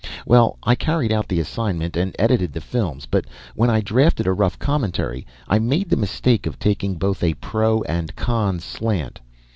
Well, I carried out the assignment and edited the films, but when I drafted a rough commentary, I made the mistake of taking both a pro and con slant.